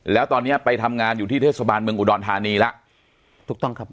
แล้วตอนเนี้ยไปทำงานอยู่ที่เทศบาลเมืองอุดรธานีแล้วถูกต้องครับ